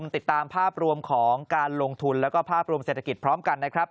ติดตามภาพรวมของการลงทุนแล้วก็ภาพรวมเศรษฐกิจพร้อมกันนะครับ